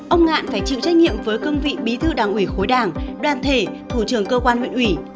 ông ngạn phải chịu trách nhiệm với cương vị bí thư đảng ủy khối đảng đoàn thể thủ trưởng cơ quan huyện ủy